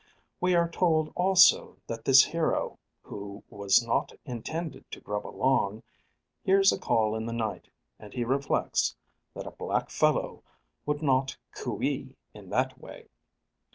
We are told also that this hero, who "was not intended to grub along," hears a call in the night, and he reflects "that a black fellow would not cou ee in that way."